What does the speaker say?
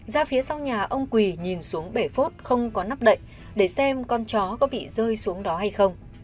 ra phía sau nhà ông quỳ nhìn xuống bể phốt không có nắp đậy để xem con chó có bị rơi xuống đó hay không